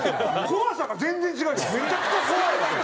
怖さが全然違うじゃん。